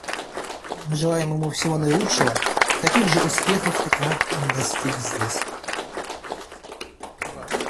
Мы желаем ему всего наилучшего и таких же успехов, каких он достиг здесь.